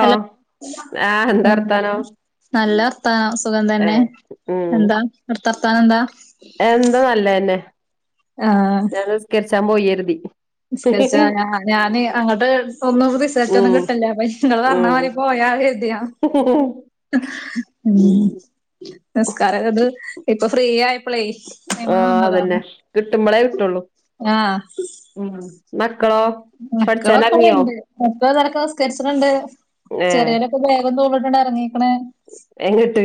Hello ആഹ് എന്താ ഉം വർത്താനം നല്ലവർത്താനം സുഖം തന്നെ ഏഹ് എന്താ അവിടുത്തെ വർത്താനമെന്താ എന്താനല്ലതന്നെ ഞാൻ നിസ്കരിച്ചാൻ പോയിരുതി നിസ്കരിച്ചാഞാന് അങ്ങട്ട് ഒന്നും ഉം റിസൾട്ടൊന്നുംകിട്ടിയില്ല അപ്പൊ നിങ്ങളു ഉം പറഞ്ഞമാതിരിപോയാലെഴുതിയ ഉം നിസ്ക്കാരം അതിപ്പൊ ഫ്രീയായപ്പോളേ ആഹ് അതുതന്നെ കിട്ടുമ്പോളേ കിട്ടുള്ളൂ ആഹ് ഉം ഉം മക്കളോ പഠിച്ചാനെറങ്ങിയോ മക്കളൊക്കെയവിടെയുണ്ട് മൂത്തവരൊക്കെ സ്റ്റേറ്റ്സിലുണ്ട് ഏഹ് ചെറിയ ബാഗും തൂക്കിയിട്ടുണ്ടായിറങ്ങീക്കണേ എങ്ങിട്ട്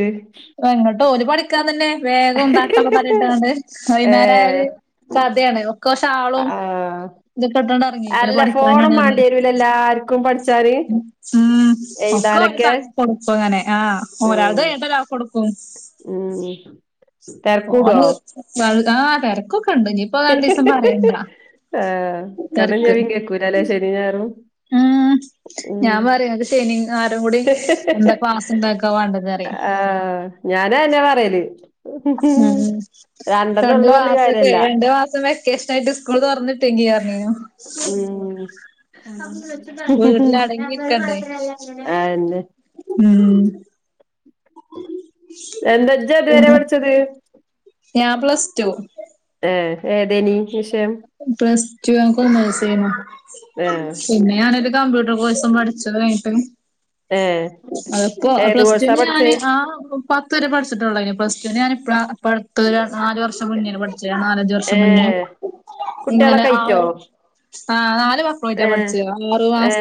എങ്ങിട്ടോ ഓലുപഠിക്കാൻതന്നെവേഗം തട്ടൊക്കെ തലയിലിട്ട ങ്ങോട്ടു ഏഹ് വൈകുന്നേരം പർദയാണ്ഒപ്പം ഷാളും ആഹ് ഇതിട്ടോണ്ടാണിറങ്ങിയേക്കണേ അല്ല ഫോണും പഠിക്കാനാണിറങ്ങി മാണ്ടിരൂലേ എല്ലാർക്കും പഠിച്ചാന് ഉം എഴുതാനൊക്കെ.. കൊടുക്കുമങ്ങനെ, ആഹ്.. ഒരാൾ ഉം ത് കഴിഞിട്ടൊരാൾക്ക് കൊടുക്കും ഉം.. തെരക്കൂടോ ഓള് വലുതാ, തിരക്കൊക്കെയുണ്ടിനി. ആഹ് കണ്ണും, ചെവിയും കേക്കൂലായല്ലേ ശനിയുംഞായറും. ആഹ്.. ഞാൻപറയുമത് ശനിയും, ഞായറുംകൂടി എന്താക്ലാസ്ഉണ്ടാക്കാ വേണ്ടതെന്നു പറയും. ഞാനാ എന്നെ പറയല് ഉം രണ്ടെണ്ണം രണ്ട്ു ഉള്ളു പറഞ്ഞിട്ട് മാസക്കെ കാര്യല്ല രണ്ട്ു മാസം വ [unintelligible] ട്ട് സ്കൂള് തുറന്നിട്ടെങ്കി ആഞ്ഞു ഉ വീട്ടില് അടങ്ങി ഇരിക്കണ്ടേ ആന്നെ ഉം എന്താജ്ജ അത് വരെ പഠിച്ചത് ഞാൻ പ്ലസ് ടു ഏ ഏതേനി വിഷയം പ്ലസ് റ്റു ഞാൻ കൊമേഴ്സയ് നി ഏഹ് പിന്നെ ഞാനോരു കമ്പ്യൂട്ടർ കോഴ്സും പഠിച്ചു കഞ്ഞിട്ട് ഏഹ് അപ്പോ ഏത് കോഴ്സാ പ്ര്സ്റ്റന് പഠിച്ചേ ഞാന് ആ പത്തുരെ പഠിച്ചിട്ടുള്ള യ്നി പ്ലസ് ടു ഞാനിപ്പഴാ ഇപ്പം ടുത്ത് നല് വർഷം മുന്നേ ണ് പഠിച്ച വർഷം മുന്ന ഏഹ് ഇങ്ങനെ കുട്ടികളൊക്കെ ആ ആ ന ഏ ഏ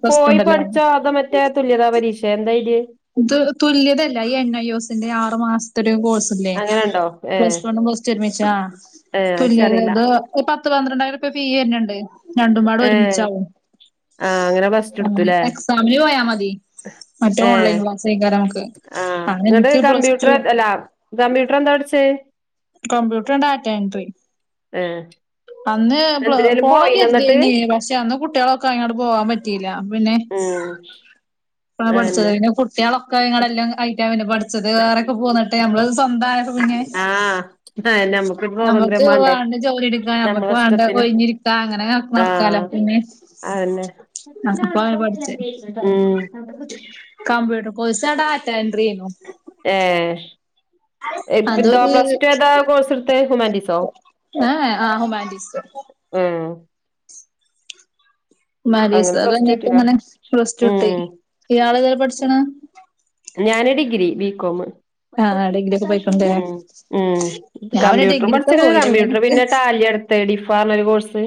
പ്ലസ് ടു പോയി ഉണ്ടല്ലോ പഠിച്ചാത മറ്റേ തുല്യതാ പരീക്ഷ എന്തായിര് ഇത് തുല്യതല്ല ഈ എൻ ഐയോസിന്റെ ആറു മാസത്തരുകോഴ്സ് അങ്ങനെണ്ടോ ഏഹ് പ്ലസ് വണ്ണും പ്ലസ്‌ടും രുമിച്ചാ ഏഹ് തുല്യ അയ്ച്ചറിയില്ല അത് ഒരു പത്ത് പന്ത്രണ്ടായിരംപ ഫീ വര്ണ്ണ്ട് രണ്ടുംപാടും ഏഹ് ഒരുമിച്ചാവും ആഹ് അങ്ങനെ പ്ലസ് ടു എടുത്തുല്ലേ അ എക്സാമിന് പോയാ മതി മറ്റേ ഓൺലൈൻ ഏഹ് ആഹ് [unintelligible] അ ഇങ്ങട്ട് എനിക്ക് പ്ലസ് ടു കമ്പ്യൂട്ടർ അല്ല കമ്പ്യൂട്ടർ എന്താ ടിച്ചേ കംമ്പ്യൂട്ടർ ഡാറ്റ എൻട്രി ഏഹ് അന്ന് എന്തിനേലും പോയിനോ എന്നിട്ട് പോണമങ്കരുതന പക്ഷെ അന്ന് കുട്ടികളൊക്കെ അങ്ങോട്ട് പോവാാൻ പറ്റിയില്ല പിന്നെ ആഹ പഠിച്ചത് കുട്ടികളൊക്കെ ഇങ്ങളടെെല്ലാം യിറ്റ പിന്നെ പഠിച്ചത് വേറെൊക്കെ പോകന്നട്ട ഞമ്മള് സ്വന്തംൊക്കെ പിഞ്ഞെ ആഹ് അതെന്നെ നമ്മക്കൊരു സ്വാതന്ത്ര്യം നമ്മുക്ക് വാണ്ടേ വേണ്ട ജോലി എടുക്കാ നമ്മക്ക് നമ്മളെ വേണ്ട ഇഷ്ടത്തിന് ഒഴിഞ്ഞിരിക്ക അങ്ങനെക്കാലോ പിന്ന ആ എല്ലരും ഉം കമ്പ്യൂട്ടർ കോഴസ ഡാറ്റ എൻട്രി ചെയ്യോ ഏഹപ്പന്താ അതൊരു പ്ലസ് ടു ഏതാ കോഴ്സ് എടുത്ത ഹുമാൻറ്റീസ ആ ആഹ്യ മാൻ റ്റി സ് ഉം മാൻ്റീസ് അങ്ങനെ പ്ലസ് ടു അതന്നപ്പ കിട്ടീലാ ഇങ്ങനെ പ്ലസ് ടു ഇട്ടി ഉം ഈ ആളത പഠിച്ചാണ് ഞാന് ഡിഗ്രി ബി കോം ആഹ് ഡിഗ്രി ഒക്കെ പോയിക്കോണ്ടേ ഉ ഉ ഞാൻ പിന്നെ കമ്പ്യൂട്ടർ പ ഠിച്ച ഡിഗ്രിക്കൊന്നും പോയില്ല പിന്നെ കമ്പ്യൂട്ടർ എനിക്ക് പിന്നൊലടു സ്േഡിഫാ പറഞ്ഞ ഒരു കോഴ്സ്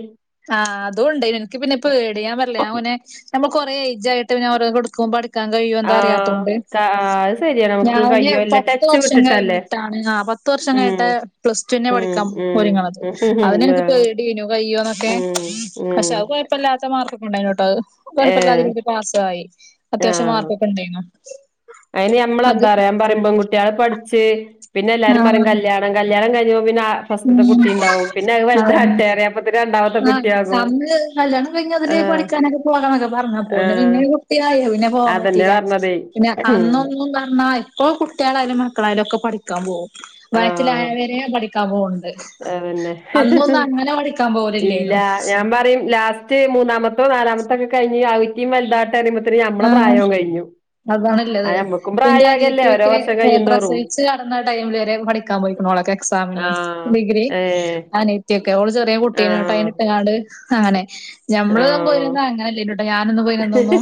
ആഹ് അതുണ്ട് എനിക്ക് പിന്നെ ഇപ്പ പേടിയാൻ പറില്ല ങ്ങനെ നമ്മൾ കൊറെ ഏയ് ജ് ആയിട്ട് ഓോ കൊടുക്കുമ്പോ ാൻ കഴിയുംന്ത ആഹ് അറിയാത്തോണ്ട് ക അത് ശരിയാ നമുക്ക് ഞാന് കയ്യോ ഇല്ല പത്ത ടച്ച് വർഷം വിട്ടിട്ടല്ലേ കഴിഞ്ഞിട്ടാണ് ആ പത്ത് വർഷം ഉം കേട്ട് പ്ലസ് ടുവിെ ഉം പഠിക്കാം ഉം ഒരുങ്ങത് അതിനെ എനിക്ക്ി ആഹ് പേടി വിനിയയ്യോ ഉം ഉം പക്ഷെ അത് കുഴപ്പമില്ലല്ലാത്ത മാർക്കൊക്കെ ഉണ്ടായിോട്ടോ അത് ഏഹ് കുഴപ്പമില്ലാത്ത രീതിൽ പാസ്സായി അത്യാവശ്യം മാർക്കൊക്കെണ്ടന അതിന് മ്മളെന്താ പററയാൻ പറയുമ്പോം കുട്ടികൾ പഠിച്ച് പിന്നെ എല്ലാരും പറയും ആഹ് കല്യാണം ഞാൻ കല്യാണം കഴി ഞ്ഞപ്പോ പിറന്ന ഇറങ്ങഞ്ഞ പിന ഫസ്റ്റ്ത്തെ ഉം കുട്ടിണ്ടാവും പിന്നെത് അതന്നെ വല്താവട്ടേറിം അപ്പൊപിന്നെ രണ്ടാമത്തെ കുട്ടിയാകും കല്ല്യാണം കഴിഞ്ഞ അതില് ആഹ് പഠിക്കാനൊക്കെ പോകാന്നോക്കെ പറഞ്ഞ്പ്പോ ആഹ് പിന്നൊരു കുട്ട്യായി പിന്നെ പോവാൻ അതന്നെ പറ്റീല പറഞ്ഞതേ പിന്നെ അന്നൊന്നും പറ്ഞ്ഞാ ഇപ്പൊ കുട്ട്യേളായാലും മക്കളായാലൊക്കെ പഠിക്കാൻ പോവും വയറ്റിലായാവരേ പഠിക്കാ പോവ്ണ്ട് അതെന്നെ അന്നൊന്നും അങ്ങനെ പഠിക്കാൻ പോവലില്ലേനു ഇല്ലാ ഞാൻ പറയും ലാസ് റ്റ് മൂന്നാമത്തോ നാലാമത്തോക്കെ കഴിഞ്ഞു അവറ്റിം വല്താവട്ടേറിമ്പോത്തിന് ഞമ്മളെ പ്രായും കഴിഞ്ഞു അതാണ്ല്ലത് അത് നമ്മക്കും ഇപ്പൊ ഇന്റെ പ്രായാകല്ലേ ഓരോ അനിയത്തിക്കെ വർഷം കഴിയുന്തോറും പ്രസവിച്ച് കടന്നാടൈമില് വരെ പണി ട്ക്കാം പോയിക്ക്ണ് ഓളൊക്കെ എക്സാമിന് ആഹ് ഡി ഗ്രീ ഏഹ് അനിയത്ത്യോക്കെ ഓള് ചെറിയ കുട്ടീനെ ഇന്നെട്ട് ആഹ് അയ്നെ ഇട്ട്ക്കാണ്ട് അങ്ങനെ ഞമ്മളൊന്നും ആഹ് പോയിന്യന്ന് അങ്ങനെല്ലേനിട്ടോ ഞാനൊന്നും പോയിന്യന്നൊന്നും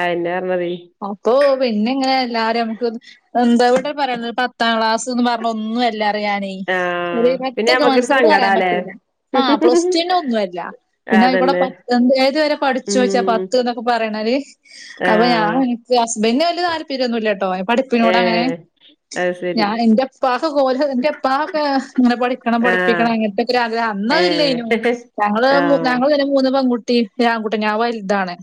അതെന്നെ പറഞ്ഞതെ അപ്പൊ പിന്നെങ്ങനെ എല്ലാരും നമക്ക് എന്താ എവ്ടെ പറയ്ന്നെ പത്താം ക്ലാസ്ന്ന് പറഞ്ഞ ഒന്നുല്ലാറ്യാ ഞാനെ ഒര് ആഹ് പിന്നെ പത്തൊക്കെ നമ്മക്കൊരു മനസ്സരോട് പറയാൻ സങ്കടാല്ലേ പറ്റൂല്ല ആഹ് പ്ലസ്ടുന്നെ ഒന്നും അല്ല പിന്നെ അയിക്കൂടെ അതന്നെ പത്താം ഏതുവരെ പഠിച്ചോയ്ച്ചാ പ ഉം ത്ത്ന്നോക്കെ പറിണോര് അപ്പൊ ഞാൻ ആഹ് ഇൻക്ക് ഹസ്ബന്റ്ന് വല്ല്യ താല്പര്യന്നുല്ലട്ടോ പഠിപ്പിനോട് അങ്ങനെ ഏഹ് അത് സെരി ഇപ്പാക്കൊക്കെ ഓല് ഇന്റെ ഇപ്പാക്കോക്കെ ഇങ്ങനെ പഠിക്കണം ആഹ് പഠിപ്പിക്കണം അങ്ങനത്തെക്കോര് ആഗ്രഹം അന്ന് അത് ഇല്ലേനു ഏഹ് ഞങ്ങള് മു ആഹ് ഞങ്ങളോര് മൂന്ന് പെൺകുട്ടിം ഒര് ആൺകുട്ടിം ഞാൻ വല്താണ്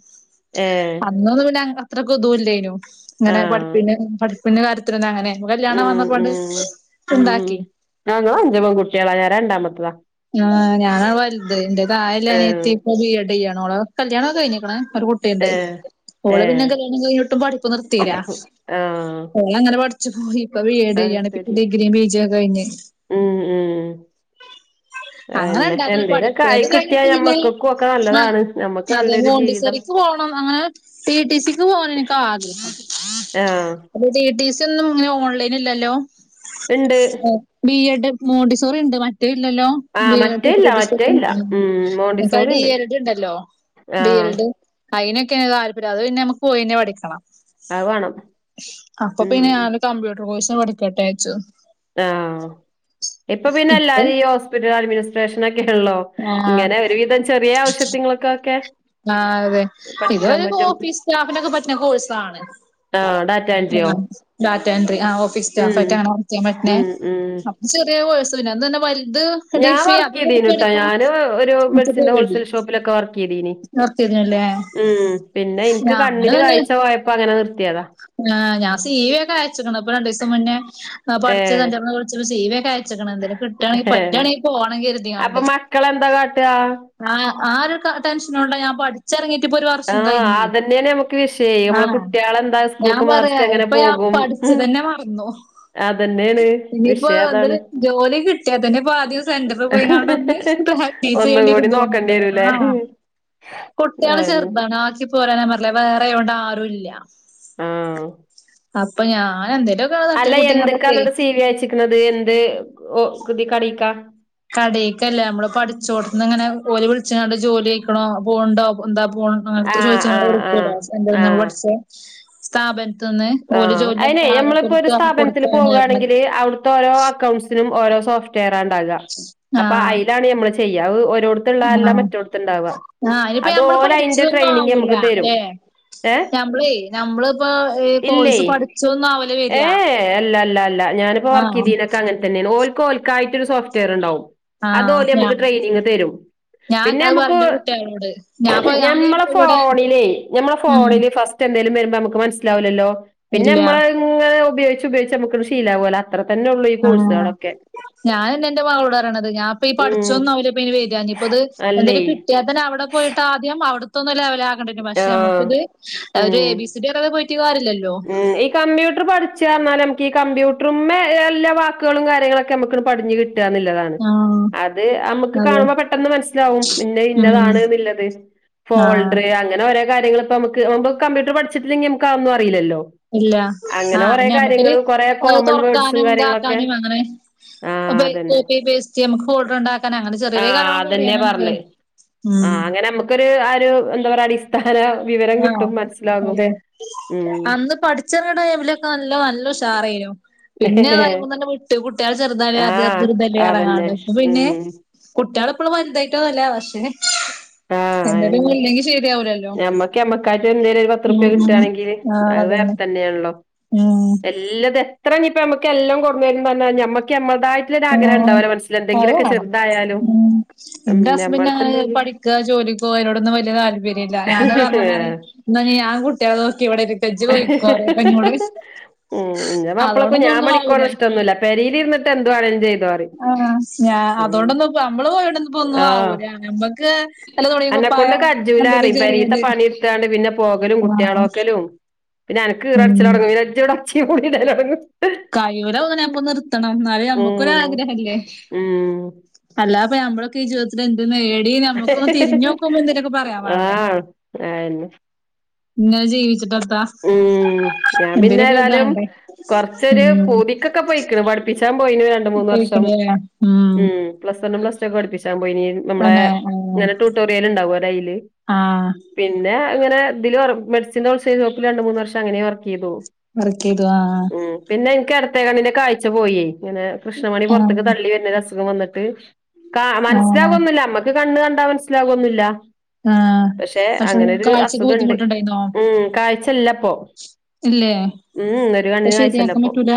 ഏഹ് അന്നൊന്നും പിന്നെ അത്രക്കുതുല്ലേനു ഇങ്ങനെ ആഹ് പഠ്പ്പിന് പഠ് പഠിപ്പിന്റെ കര്യത്തിനൊന്നും അങ്ങനെ കല്യാണം ഉം വന്നപ്പാണ്ട് ഉം ഉം ഇണ്ടാക്കി ഞങ്ങള് അഞ്ച് പെൺകുട്ട്യേളാ ഞാൻ രണ്ടാമത്തതാ ആഹ് ഞാനാ വല്ത് ഇന്റെ താഴെല്ലേ ഏഹ് അനിയത്തിപ്പോ ബി എഡ്യ്യാണ് ഓളെ കല്യാണോക്കെ കഴിഞ്ഞിക്ക്ണ് ഒര് കു ട്ട്ണ്ട് ഏഹ് ഓള് പിന്നെ ഏഹ് കല്യാണം കഴിഞ്ഞിട്ടും പഠിപ്പ് നിർത്തീലാ ആഹ് ഓളങ്ങനെ പഠിച്ചു പോയി ഇപ്പ അത് ബിഎഡ്യ്യാണ് ശരി ഡിഗ്രിം പിജിയൊക്കെ കഴിഞ്ഞ് ഉം ഉം [inaudible] അയെന്നെ അങ്ങനെണ്ടാക്കണം എന്തേലൊക്കെ പഠിപ്പ് ആയി അത് കിട്ടിയാ കഴിഞ്ഞിട്ട് പിന്നെ ഞമ്മക്കക്കും ഒക്കെ ആഹ് നല്ലതാണ് ഞമ്മക്ക് അതെ നല്ലൊരു ജീവിതം മോണ്ടിസോറി ത്ത്പോണം അങ്ങനെ ടിടിസിക്ക് പോകാനെനിക്ക് ആഗ്രഹം ഏഹ് ടിടിസി ഒന്നും ഇങ്ങനെ ഓൺലൈന് ഇല്ലല്ലോ ഇണ്ട് ഉം ബിഎഡ് മോഡിസോറിണ്ട് മറ്റേ ഇല്ലല്ലോ ആഹ് മറ്റേ ബിഎഡ് ഇല്ല മറ്റേ ടിടിസിക്കെ ഉം ഇല്ല ഇൻക്കാ മോണ്ടിസോറി ഇണ്ട് ഡിഎൽഡ് ഇണ്ടല്ലോ ആഹ് ഡിഎൽഡ് അയ്നൊക്കെ താല്പര്യം അത് പിന്നെ നമ്മ പോയിന്നെ പഠിക്കണം അത് വാണം അപ്പൊ പിന്നെ ഉം ഞാന് കമ്പ്യൂട്ടർ കോഴ്സ് പഠിക്കട്ടേച്ചു ആഹ് ഇപ്പ പിന്നെ ഇപ്പൊ എല്ലാരും ഈ ഹോസ്പിറ്റൽ അഡ്മിനിസ്ട്രേഷനൊക്കെ ആണല്ലോ ആ ഇങ്ങനെ ഒരുവിധം ചെറിയ ആവശ്യത്തിങ്ങള്ക്കൊക്കെ ആഹ് അതെ ഇതൊരു ഓഫീസ് സ്റ്റാഫിനൊക്കെ പറ്റ്ണ കോഴ്സാണ് ആഹ് ഡാറ്റ എൻട്രിയോ ആഹ് ഡാറ്റ എന്റ്റി ആഹ് ഓഫീസ് ഉം സ്റ്റാഫ്റ്റാണോ ക്ക്യാപറ്റ്ണെ ഉം ഉം അത് ചെറ്യേ കോഴ്‌സ്ന്നെ അതെന്നെ വല്ത് ഞാൻ വർക്ക്യ്തീനുട്ടോ ഞാ ന് ഒരു എനിക്ക് മെഡ്സിന്റെ പേടി ഹോൾശെയിൽ ഷോപ്പിലൊക്കെ വർക്ക്യ്തീനി വർക്ക് ചെയ്തിനല്ലേ ഉം പിന്നെ ഇൻക്ക് ഞാനും കണ്ണിന് തന്നെ കാഴ്ച പോയപ്പോ അങ്ങനെ നിർത്തിയതാ ആഹ് ഞാൻ സീവിക്കെ അയച്ച്ക്ക്ണ് ഇപ്പൊ രണ്ടീസം മുന്നേ പഠിച്ച ഏഹ് സെന്ററ്ന്ന് വിളിച്ച് സിവി ഒക്കെയ ച്ച്ക്ക്ണ് എന്തേലും കിട്ടാണെങ്കിൽ ഏഹ് പറ്റാണെല് പോകണം അപ്പൊ കര്തിക്കാണ്ട് മക്കളെന്താ കാട്ടുക ആഹ് ആ ഒരു ക ടെൻഷനോണ്ട ഞാൻ പഠി ച്ചറ്ങ്ങീട്ട് ഇപ്പൊ ഒരു വർഷം ആഹ് കഴിഞ്ഞ് ആഹ് ഇങ്ങളെന്താസ് ഞാൻ പറയാ ഇപ്പൊ ഞാൻ പഠിച്ചതെന്നെ മറന്നു അതന്നെയാണ് ഇനിയിപ്പോ വിഷയം അതാണ് എന്തേലും ജോലി കിട്ട്യാ തന്നെ ഇപ്പ ആദ്യം സെന്ററിൽ പോയിങ്ങാണ്ട് ഒന്ന് [unintelligible] [unintelligible] ചെയ്യേണ്ടി വെരും ഒന്നുകൂടി നോക്കേണ്ടി തോന്ന്ണ്ട് വരൂലേ ആഹ് കുട്ട്യാള് അയെന്നെ ചെറുതാണ് ആക്കി പോരാൻ ഞാൻ പറഞ്ഞ്ലേ വേറെ ആയോണ്ട് ആരും ഇല്ല ആഹ് അപ്പൊ ഞാൻ എന്തേലും ഒ അല്ല എന്ത്ക്കാ ന്നിട്ട് സീ വി അയച്ച്ക്ക്ണത് എന്ത് ഒ ഇത് കടീക്കാ കടേക്കല്ലെ നമ്മള് പഠിച്ചോട്ത്ത്ന്ന് ഇങ്ങനെ ഓല് വിളിച്ച്ങ്ങാണ്ട് ജോലി ആയിക്ക്‌ണോ പോണ്ടോ എന്താ പോ ആഹ് ചോയ്ച്ച്കാണ്ട് ആഹ് ആഹ് വിളിക്കൂലെ സെന്ററിന്ന് നമ്മള് പഠിച്ചെ സ്ഥാപനത്തിന്ന് ആ അയിനെ ഞമ്മളിപ്പോ ഒര് സ്ഥാപനത്തില് കൊടുക്കാണ് പറഞ്ഞ് പോകാണെങ്കില് അവ്ട് ത്തോരോ അക്കൗണ്ട്സിനും ഓരോ സോഫറ്റ് വെയറാ ഇണ്ടാക അപ്പ ആഹ് അയ്ലാണ് നമ്മള് ചെയ്യാ അത് ഓരോട് ത്ത്ള്ള അല്ല ആഹ് മറ്റോട്ത്ത്ണ്ടാവാ ആഹ് അയിനിപ്പ അത് നമ്മള് ഓല് അയ്ന്റെ ട്രെയിനിങ്ങ് ഞമ്മക്ക് തെരും. ഞമ്മളെ ഞമ്മള് ഇപ്പോ ഇല്ലേയ് ഏഹ് ഏഹ് അല്ല അല്ല അല്ല ഞാൻ പ്പ വർക്ക് ആഹ് ചെയ്തീനൊക്കെ അങ്ങനെ തന്നെയാണ് ഓൽക്ക്‌ ഓൽക്കായിട്ട് ഒര് സോഫ്റ്റ് വെയർണ്ടാവും അത് ആഹ് ഓല് ഞാ ഞമ്മക്ക് ട്രെയിനിങ്ങ് തെരും. ഞാൻ പിന്നെ അത് പറയും ഞമ്മക്ക് ഇന്റെ കുട്ടികളോട് ഞാൻപ്പ ഞാൻ ഞമ്മളെ ഇവിടെ ഫോണിലേ ഞമ്മളെ ഉം ഫോണില് ഫസ് റ്റ് എന്തേലും വരുമ്പോ ഞമ്മക്ക് മനസ്സിലാവുല്ലല്ലോ പിന്നെ ഇല്ല ഞമ്മള് അത്‌ ഇങ്ങനെ ഉപയോഗിച്ച് ഉപയോഗിച്ച് ഞമ്മക്കത് ശീലാവൊലൊ അത്രതന്നെ ഉള്ളെയ് ഈ കോഴ്സാളൊക്കെ ഞാനിന്ന് ഇന്റെ മകളോട് പറയണത് ഞാൻ ഇപ്പൊ ഈ ഉം പഠിച്ചൊന്നാവുല്ല ഇപ്പനി വരാ ഇഞ്ഞി ഇപ്പത് അല്ലേ എന്തെലും കിട്ട്യാത്തന്നെ അവ്ടെ പോയിട്ട് ആ ആദ്യം അവ്ട്ത്തെ ഒന്ന് ലെവലാകണ്ടി വെരും പഷേ ആഹ് ഞമ്മക്കിത് ഒര് എ ഉം ബി സി ഡി അറിയാതെ പോയിട്ട് കാര്യല്ലല്ലോ. ഉം ഈ കമ്പ്യൂട്ടറ് പഠിച്ചാ പറഞ്ഞാല് ഞമ്മക്ക് ഈ കമ്പ്യൂട്ടറ്മ്മേ എല്ലാ വാക്ക്കളും കാര്യങ്ങളൊക്കെ ഞമ്മക്ക്‌ണ്ട് പടിഞ്ഞ് കി റ്റാന്നിള്ളതാ ആഹ് അത് അമ്മക്ക് അതെ കാണുമ്പ പെട്ടെന്ന് മനസ്സിലാവും ഇന്നത് ഉം ഇന്നതാണ്ന്ന്ള്ളത്. ആഹ് ഫോൾഡർ അങ്ങനെ ഓരോ കാര്യങ്ങള് ഇപ്പ നമക്ക് ഇപ്പൊ കമ്പ്യൂട്ടറ് പഠിച്ചിട്ടില്ലെങ്കി നമക്ക്‌ അതൊന്നും അറിയില്ലല്ലോ ഇല്ല ആ അങ്ങനെ കൊറേ അയിന് ഞമ്മക്കൊരു കാര്യങ്ങൾ കൊറേ അത് കോമൺ വേർഡ്സും തൊറക്കാനും കാര്യങ്ങളൊക്കെ ഇതാക്കാനും അങ്ങനെ ആ പ്പ അതന്നെ കോപ്പി പേസ്റ്റ് ഞമ്മക്ക് ഫോൾഡർ ഉണ്ടാക്കന് അങ്ങനെ ആ ചെറിയെറിയ കാര്യങ്ങളൊക്കെ അറിയാം അതന്നെ നമ്മക്ക് ഉം ക്കൊര് അരു എന്താ പറയാ അടിസ്ഥാന വിവരം ആഹ് കിട്ടും മനസ്സിലാകും. അതെ ഉം അന്ന് പഠിച്ചെറങ്ങ്ണ ടൈമിലൊക്കെ നല്ലം നല്ല ഉഷാറേനു പിന്നെ അത് അയിമെന്നണ്ട് വിട്ട് കുട്ട്യാള് ചെറുതല്ലേ ആ [unintelligible] ചെറുതല്ലേ അതന്നെ പറഞ്ഞാണ്ട് ഇപ്പൊ പിന്നെ ഉം കുട്ട്യാള് ഇപ്പളും വലുതായിട്ടൊന്നല്ല പഷേ ആഹ് എന്തെങ്കിലുംഒന്ന് ഇല്ല്യെങ്കി ശെരിയാവൂലല്ലൊ ക്ക്യമ്മക്കായിട്ട് എന്തെലും ഒര് പത്ത്റുപ്യ കിട്ടാണെങ്കില് ആഹ് അത് വേറെ അതന്നെ തന്നെയാണല്ലോ. ഉം എല്ലത് എത്ര ഇഞ്ഞി ഇപ്പമ്മക്ക് എല്ലം കൊട്ന്ന് തര്ന്ന് പറഞ്ഞാലും ഞമ്മക്ക് ഞമ്മള്തായിട്ട് ലൊര് ആഗ്രഹം ആഹ് ഉണ്ടാവുലെ മനസ്സില് അത് എന്തെങ്കിലൊക്കെ വേണം ചെറുതായാലും ഉം ഞമ്മെട്ത്ത് ഇണ്ടെങ്കി ക്ക ജോലിക്കൊയതിനോടൊന്നും വല്യ താൽപര്യം ഇല്ല ഞാന് അത്‌ പറഞ്ഞപ്പം പറയും ഇന്നാ ഇനി ഞാൻ കുട്ട്യാളെ നോക്കി ഇവ്ടെ ഇരി ഉം ഇന്റെ മാപ്പളക്കും അതോണ്ടൊന്നും ഞാൻ ഒന്നും പണിക്ക്‌ ആവൂല പോണെ ഇഷ്ട്ടൊന്നുല്ല. പെരീലിരിന്നിട്ട് എന്ത് വേണേലും ചെയ്തോ പറീം ആഹ് സ്നാ അതോണ്ടൊന്നും അമ്മള് പോയോണ്ടൊന്നും ഇപ്പോ ഒന്നും ആഹ് ആവൂല ഞമ്മക്ക് വല്ല തുണിം അന്നെക്കൊണ്ട് കുപ്പായം പിന്നെ എന്തേലും കജ്ജൂലാറിയും പെരീത്തെ ചെറിയത് പണി എടുത്താണ്ട് പിന്നെ പോകലും ആഹ് കുട്ടികളോക്കലും പിന്നെ അനക്ക് ഈറ ഉം പിടിച്ചില് തൊടങ്ങും പിന്നെ ഇജ്ജി ഇവ്ടെ ഒച്ചേ വിളീം ഇടല് തൊടങ്ങും. കയ്യൂലാ തൊന്നാണേ അപ്പ നിർത്തണം ഇന്നാല് നമ്മുക്കൊര് ഉം ആഗ്രഹല്ലേ ഉം അല്ലാ ഇപ്പം ഞാമ്മളൊക്കെ ഈ ജീവിതത്തിൽ എന്ത് നേടിന്ന് നമ്മുക്കൊന്ന് തിരിഞ്ഞ് നോക്കുമ്പോ എന്തെങ്കിലൊക്കെ പറയാൻ വേണ്ടേ അയെന്നെ ഇങ്ങനെ ജീവിച്ചിട്ടെത്താ ഉം ഞാൻ പിന്നെ എന്തേലൊക്കെ ഏതാലും എഴുതാണ്ടേ കൊറച്ചൊര് ഉം പൂതിക്കൊക്കെ പോയിക്ക്‌ണ് പഠിപ്പിച്ചാൻ പോയിന്ന് രണ്ട്മൂന്ന് പോയ്‌ക്ക്‌ണ്ലേ ഉം പ്ലസ് വണ്ണും പ്ലസ് ടു ഒക്കെ പഠിപ്പിച്ചാ പോയിനി നമ്മളെ തന്നെ ആഹ് ഇങ്ങനെ ട്യൂട്ടോറിയൽ ഉണ്ടാവല്ലോ അയില്. ആഹ് പിന്നെ അങ്ങനെ ഇദില് വർ മെഡസിന്റെ ഹോൾ സെയിൽ ഷോപ്പിൽ രണ്ട് മൂന്ന് വർഷം അങ്ങനെ വർക്ക് ചെയ്തു. വർക്കേയ്തു ആഹ് ആഹ് ഉം പിന്നെ എനിക്ക് എടത്തേ കണ്ണിന്റെ കാഴ്ച പോയേ ഇങ്ങനെ കൃഷ്ണമണി പൊറത്തേക്ക് തള്ളി ആഹ് വെര്ന്ന ഒര് അസുഖം വന്നിട്ട് കാ ആഹ് മനസ്സിലാവൊന്നുല്ല അമ്മക്ക് കണ്ണ് കണ്ടാ മനസ്സിലാവൊന്നുല്ല. ആഹ് പഷേ പക്ഷെ അങ്ങനൊര് കാഴ്ചക്ക് അസുഖണ്ട് ബുദ്ധിമുട്ടുണ്ടായിന്നോ? ഉം കാഴ്ച ല്ലപ്പോ ഇല്ലേ ഇപ്പൊ ഉം ഒര് കണ്ണിന് ശരിയാക്കാൻ കാഴ്ച്ചല്ലപ്പോ. പറ്റൂല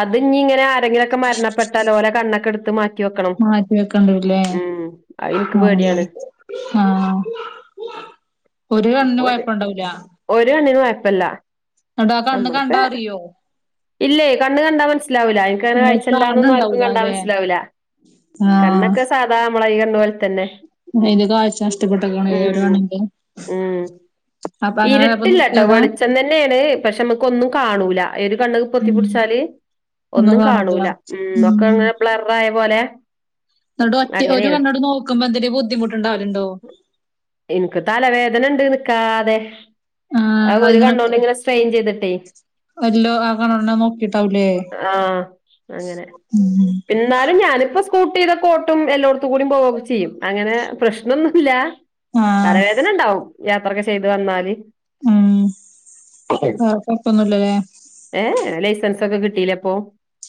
അത് ഇഞ്ഞി ഇങ്ങനെ ആരെങ്കിലുംക്കെ മരണപ്പെട്ടാലോലേ കണ്ണൊക്കെ എടുത്ത് മാ മാറ്റി വെക്കണ്ടൂല്ലേ അത് ഇൻക്ക് ആഹ് പേടിയാണ് ആഹ് ആഹ് ഒരു കണ്ണിന് ഒരു കൊഴപ്പണ്ടാവൂലാ ഒരു കണ്ണിന് കൊഴപ്പല്ല ഇന്നിട്ടാ കണ്ണ് നമ്മളിപ്പ കണ്ടാ അറിയോ? ഇല്ലേ കണ്ണ് കണ്ടാ മനസ്സിലാവൂല്ല എനിക്കങ്ങനെ ഉം കാഴ്ച്ചെല്ലാന്നൊന്നും ആർക്കും കാണുന്നുണ്ടാവൂല കണ്ടാ അല്ലെ മനസ്സിലാവൂല്ല ആഹ് അത് നമ്മളെ ഈ കണ്ണ് പോലെ തന്നെ അയിൻ്റെ കാഴ്ച നഷ്ടപ്പെട്ട്ക്കാണെ ഒരു ഉം കണ്ണിൻ്റെ ഉം ഇരുട്ടില്ല ട്ടോ നിർത്തിയതാ വെളിച്ചം തന്നെയാണ് പക്ഷെ നമ്മക്ക് ഒന്നും കാണൂല ഒരു കണ്ണ് പൊത്തി ഉം പിടിച്ചാല് ഒന്നും കാണൂല ഉം ഒക്കെ ഇങ്ങനെ ബ്ലററായ പോലെ ഇന്നട്ട് ഒറ്റ ഒരു അങ്ങനേണ് കണ്ണോണ്ട് നോക്കുമ്പോ എന്തങ്കും ബുദ്ധിമുട്ട്ണ്ടാവലുണ്ടോ? ണ്ട് നിക്കാതെ അത് ഒരു അതിങ്ങനെ ഒറ്റ കണ്ണോണ്ട് ഇങ്ങനെ സ്ട്രെയിൻ ചെയ്തിട്ടേ എല്ലോ ആ കണ്ണോണ്ടെന്നെ നോക്കിട്ടാവൂലേ ആഹ് അങ്ങനെ ഉം എന്നാലും ഞാനിപ്പ സ്കൂട്ടിയിതൊക്കെ ഓട്ടും എല്ലോടത്തും കൂടി പോവൊക്കെ ചെയ്യും. അങ്ങനെ പ്രശ്നൊന്നുല്ല ആഹ് തലവേദന ഇണ്ടാവും യാത്രൊക്കെ ചെയ്ത് വന്നാല് ഉം വേറെ കൊഴപ്പൊന്നുല്ല ല്ലേ ലൈസൻസൊക്കെ കിട്ടില്ലേ ഇപ്പൊ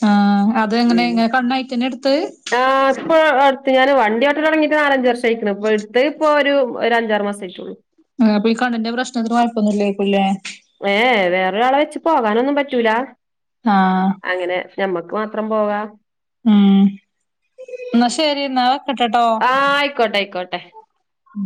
ആഹ് അത് എങ്ങനെ ഇങ്ങനെ കണ്ണായിട്ടന്നെ എടുത്ത് ആഹ് ഇപ്പൊ അടുത്ത് ഞാൻ വണ്ടിയോട്ടല് തൊടങ്ങീട്ട് നാലഞ്ച് വർഷം ആയിക്കണ് ഇപ്പൊ എടുത്തെ ഇപ്പൊ ഒരു ഒരഞ്ചാറ് മാസം ആയിറ്റോള്ളൂ ആഹ് അപ്പൊ ഈ കണ്ണിന്റെ പ്രശ്നത്തിന് കൊഴപ്പൊന്നു ഇല്ലായിരിക്കൂല്ലേ ഏഹ് വേറെൊരാളെ വെച്ച് പോകാനൊന്നും പറ്റൂല ആഹ് അങ്ങനെ. ഞമ്മക്ക് മാത്രം പോവാ. ഉം എന്നാ ശരി എന്നാ വെക്കെട്ടെട്ടോ ആഹ് ആയിക്കോട്ടെ ആയിക്കോട്ടെ ഉം